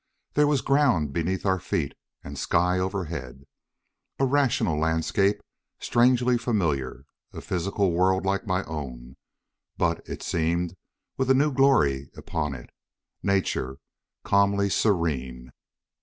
There was ground beneath our feet, and sky overhead. A rational landscape, strangely familiar. A physical world like my own, but, it seemed, with a new glory upon it. Nature, calmly serene.